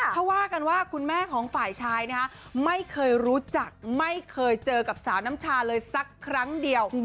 เขาว่ากันว่าคุณแม่ของฝ่ายชายไม่เคยรู้จักไม่เคยเจอกับสาวน้ำชาเลยสักครั้งเดียว